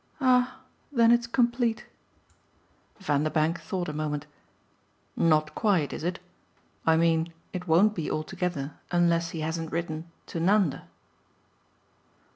"Ah then it's complete." Vanderbank thought a moment. "Not quite, is it? I mean it won't be altogether unless he hasn't written to Nanda."